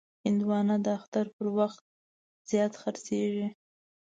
هندوانه د اختر پر وخت زیات خرڅېږي.